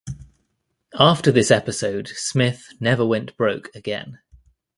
After this episode Smith never went broke again.